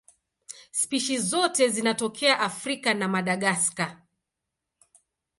Spishi zote zinatokea Afrika na Madagaska.